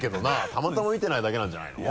たまたま見てないだけなんじゃないの？